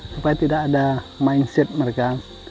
supaya tidak ada mindset mereka